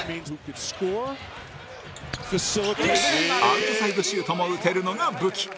アウトサイドシュートも打てるのが武器